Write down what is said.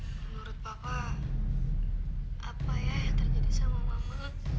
hai menurut papa apa ya yang terjadi sama mama